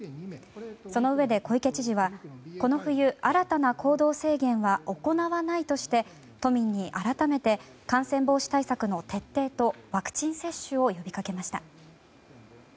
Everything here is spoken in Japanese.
そのうえで小池知事は新たな行動制限は行わないとして都民に、改めて感染防止対策の徹底とワクチン接種を呼びかけました。